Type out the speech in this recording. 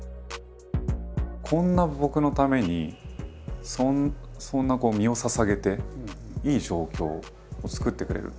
こんな僕のためにそんな身をささげていい状況を作ってくれる。